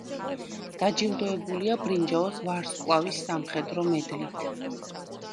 დაჯილდოებულია ბრინჯაოს ვარსკვლავის სამხედრო მედლით.